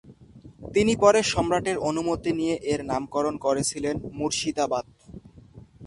পরে তিনি সম্রাটের অনুমতি নিয়ে এর নামকরণ করেছিলেন মুর্শিদাবাদ।